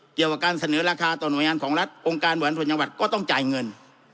เกี่ยวกับการเสนอราคาต่อหน่วยงานของรัฐองค์การแหวนผลจังหวัดก็ต้องจ่ายเงิน